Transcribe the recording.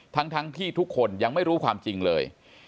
ทั้งที่ทุกคนยังไม่รู้ความจริงเลย